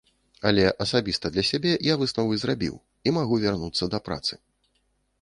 Але асабіста для сябе я высновы зрабіў, і магу вярнуцца да працы.